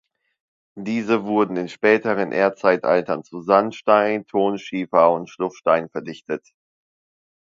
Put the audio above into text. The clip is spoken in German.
Diese wurden in späteren Erdzeitaltern zu Sandstein, Tonschiefer und Schluffstein verdichtet.